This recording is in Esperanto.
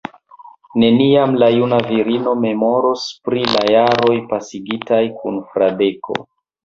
Neniam la juna virino memoros pri la jaroj pasigitaj kun Fradeko.